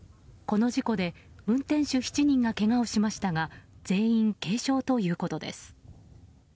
この事故で運転手７人がけがをしましたが全員、軽傷ということです。